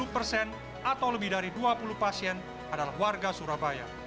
tujuh puluh persen atau lebih dari dua puluh pasien adalah warga surabaya